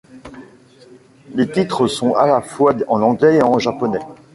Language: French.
Les titres sont à la fois en anglais et en japonais.